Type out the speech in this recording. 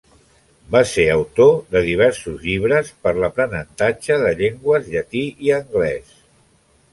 Va ser autor de diversos llibres per l'aprenentatge de llengües, llatí i anglès.